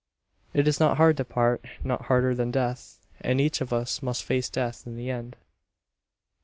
It is not hard to part not harder than Death; And each of us must face Death in the end!